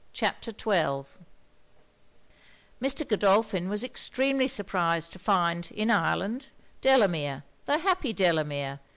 CHAPTER XII Mr. Godolphin was extremely surprised to find, in Ireland, Delamere, the happy Delamere!